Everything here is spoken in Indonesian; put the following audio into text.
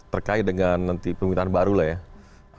terkait dengan nanti permintaan baru lah ya